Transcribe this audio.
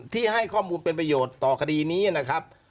ให้ข้อมูลเป็นประโยชน์ต่อคดีนี้นะครับ